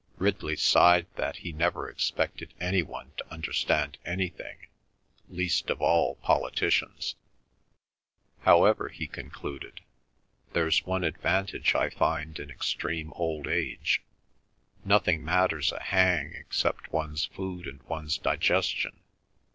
Ridley sighed that he never expected any one to understand anything, least of all politicians. "However," he concluded, "there's one advantage I find in extreme old age—nothing matters a hang except one's food and one's digestion.